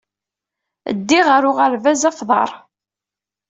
Ddiɣ ɣer uɣerbaz ɣef uḍar.